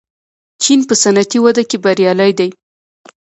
چین په صنعتي وده کې بریالی دی.